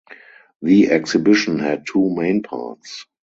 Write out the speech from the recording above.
The exhibition had two main parts.